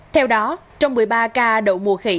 theo đó trong một mươi ba ca đậu mùa khỉ